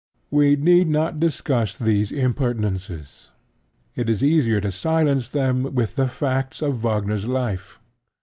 We need not discuss these impertinences: it is easier to silence them with the facts of Wagner's life.